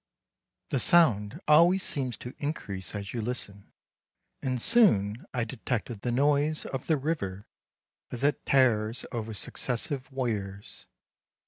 The sound always seems to increase as you listen, and soon I detected the noise of the river as it tears over successive weirs.